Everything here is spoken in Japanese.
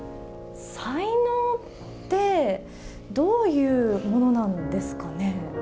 才能って、どういうものなんですかね。